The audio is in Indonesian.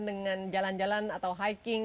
dengan jalan jalan atau hiking